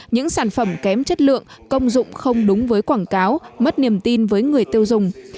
những sản phẩm kém chất lượng công dụng không đúng với quảng cáo mất niềm tin với người tiêu dùng